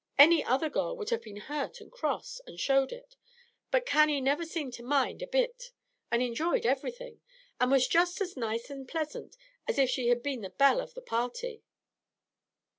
Any other girl would have been hurt and cross, and showed it; but Cannie never seemed to mind a bit, and enjoyed everything, and was just as nice and pleasant as if she had been the belle of the party."